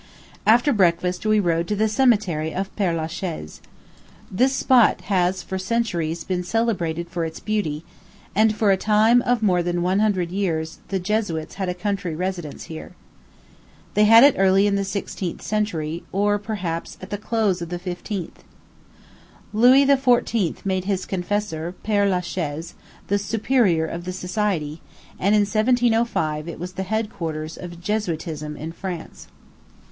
After breakfast, we rode to the Cemetery of Père la Chaise. This spot has for centuries been celebrated for its beauty; and, for a period of more than one hundred years, the Jesuits had a country residence here. They had it early in the sixteenth century, or, perhaps, at the close of the fifteenth. Louis XIV. made his confessor, Père la Chaise, the superior of the society; and in 1705 it was the head quarters of Jesuitism in France.